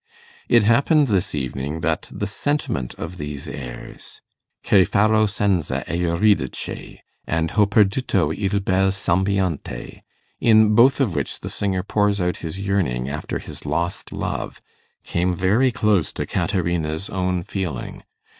It happened this evening that the sentiment of these airs, 'Che faro senza Eurydice?' and 'Ho perduto il bel sembiante', in both of which the singer pours out his yearning after his lost love, came very close to Caterina's own feeling.